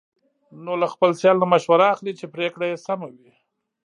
نو له خپل سیال نه مشوره اخلي، چې پرېکړه یې سمه وي.